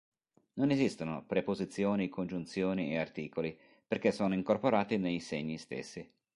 Non esistono preposizioni, congiunzioni e articoli perché sono incorporati nei segni stessi.